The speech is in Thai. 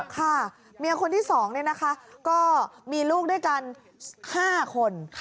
ค่ะเมียคนที่๒เนี่ยนะฮะก็มีลูกด้วยกัน๕คน